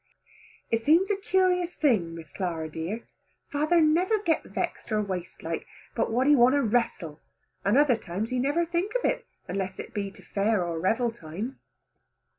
It seems a curious thing, Miss Clara dear, father never get vexed or weist like, but what he want to wrestle, and other times he never think of it, unless it be to fair or revel time.